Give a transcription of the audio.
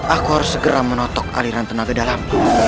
aku harus segera menotok aliran tenaga dalam